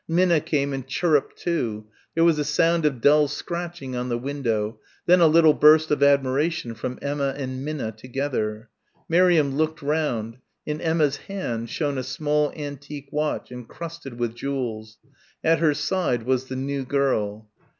Minna came and chirruped too there was a sound of dull scratching on the window then a little burst of admiration from Emma and Minna together. Miriam looked round in Emma's hand shone a small antique watch encrusted with jewels; at her side was the new girl.